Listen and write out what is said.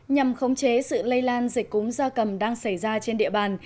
nhằm khống chế sự lây lan dịch cúm do cầm đang xảy ra trên địa bàn